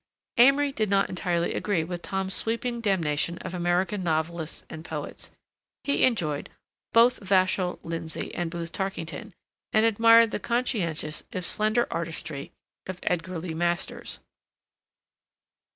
Amory did not entirely agree with Tom's sweeping damnation of American novelists and poets. He enjoyed both Vachel Lindsay and Booth Tarkington, and admired the conscientious, if slender, artistry of Edgar Lee Masters.